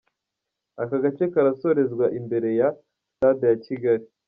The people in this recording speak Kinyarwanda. Aka gace karasorezwa imbere ya Stade ya Kigali.